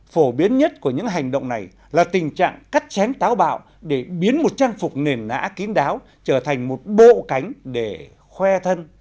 phổ biến nhất của những hành động này là tình trạng cắt chén táo bạo để biến một trang phục nền nã kín đáo trở thành một bộ cánh để khoe thân